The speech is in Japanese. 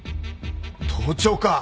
盗聴か！